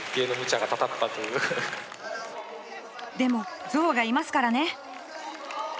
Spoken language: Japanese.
でもゾウがいますからね。